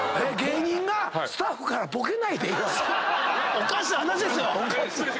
おかしな話ですよ。